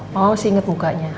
mama masih inget mukanya